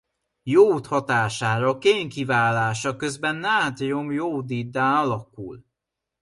Jód hatására kén kiválása közben nátrium-jodiddá alakul.